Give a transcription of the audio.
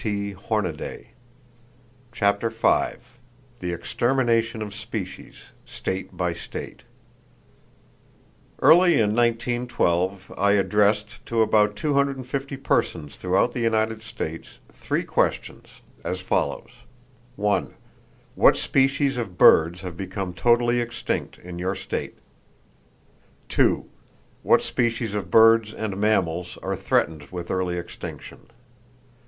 [Page 42] CHAPTER V THE EXTERMINATION OF SPECIES, STATE BY STATE Early in 1912 I addressed to about 250 persons throughout the United States, three questions, as follows: What species of birds have become totally extinct in your state? What species of birds and mammals are threatened with early extinction?